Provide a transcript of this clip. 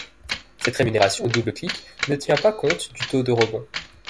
Cette rémunération au double clic ne tient pas compte du taux de rebond.